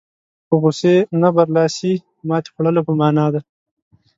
په غوسې نه برلاسي ماتې خوړلو په معنا ده.